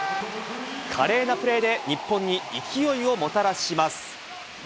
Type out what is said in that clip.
華麗なプレーで日本に勢いをもたらします。